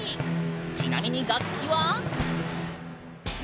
ちなみに楽器は。